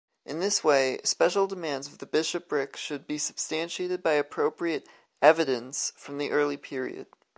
In this way, special demands of the bishopric should be substantiated by appropriate “evidence” from the early period.